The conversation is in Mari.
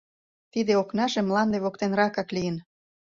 Тиде окнаже мланде воктенракак лийын.